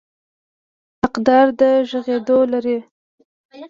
حقداره د غږېدو لري.